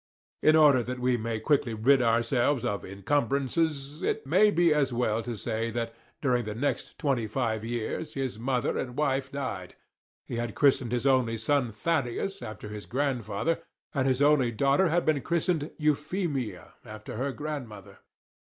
In order that we may quickly rid ourselves of encumbrances, it may be as well to say that during the next twenty five years his mother and wife died; he had christened his only son Thaddeus, after his grandfather, and his only daughter had been christened Euphemia, after her grandmother.